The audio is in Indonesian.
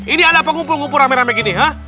ini ada apa ngumpul ngumpul rame rame gini ha